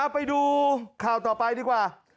ไปดูข่าวต่อไปดีกว่า